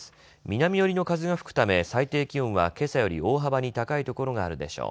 南寄りの風が吹くため最低気温はけさより大幅に高い所があるでしょう。